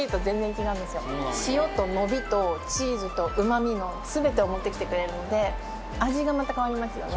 塩と伸びとチーズとうまみの全てを持ってきてくれるので味がまた変わりますよね。